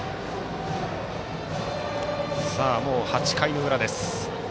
もう８回の裏です。